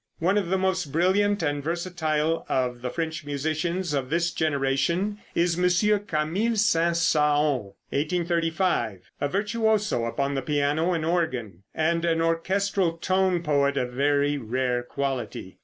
One of the most brilliant and versatile of the French musicians of this generation is M. Camille Saint Saëns (1835 ), a virtuoso upon the piano and organ, and an orchestral tone poet of very rare quality.